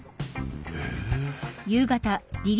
へえ。